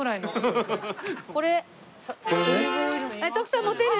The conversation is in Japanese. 徳さん持てる？